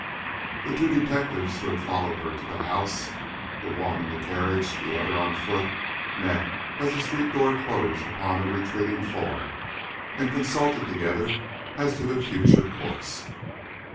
The two detectives who had followed her to the house the one in the carriage, the other on foot met, as the street door closed upon her retreating form, and consulted together as to their future course.